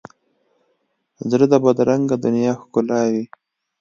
زړه د بدرنګه دنیا ښکلاوي.